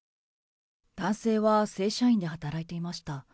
男性は正社員で働いていました。